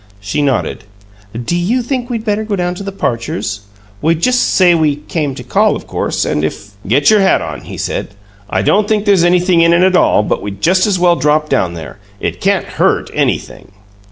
She nodded. "Do you think we'd better go down to the Parchers'? We'd just say we came to call, of course, and if " "Get your hat on," he said. "I don't think there's anything in it at all, but we'd just as well drop down there. It can't HURT anything."